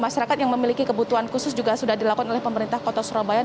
masyarakat yang memiliki kebutuhan khusus juga sudah dilakukan oleh pemerintah kota surabaya